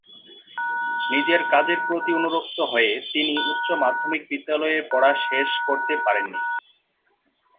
নিজের কাজের প্রতি অনুরক্ত হয়ে তিনি উচ্চ মাধ্যমিক বিদ্যালয়ের পড়া শেষ করতে পারেননি।